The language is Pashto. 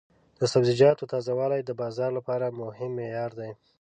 د سبزیجاتو تازه والی د بازار لپاره مهم معیار دی.